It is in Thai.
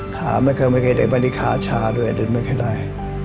ขาไม่เคยมีใครได้บริษัทชาด้วยหรือไม่เคยได้